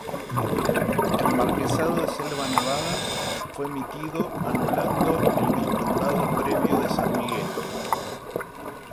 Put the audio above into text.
El marquesado de Selva Nevada fue emitido anulando el vizcondado previo de San Miguel.